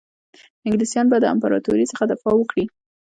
انګلیسیان به د امپراطوري څخه دفاع وکړي.